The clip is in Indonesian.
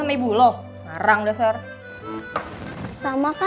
ki cau lawan jarum li